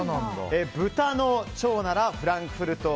豚の腸なら、フランクフルト。